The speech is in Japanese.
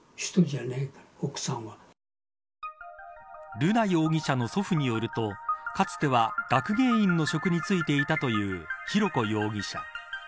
瑠奈容疑者の祖父によるとかつては学芸員の職に就いていたという浩子容疑者。